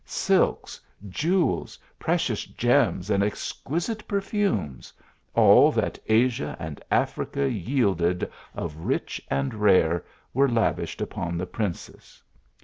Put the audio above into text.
Silks, jewels, precious gems and exquis e perfumes, all that Asia rnd Africa yielded of ch and rare, were lavished upon the princess.